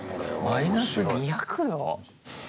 マイナス２００℃？